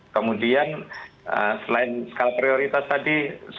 kemudian selain skala prioritas tadi